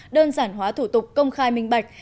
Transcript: đơn giản hóa thủ tục công khai minh bạch